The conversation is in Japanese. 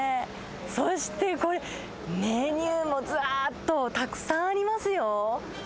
そしてこれ、メニューもずらっと、たくさんありますよ。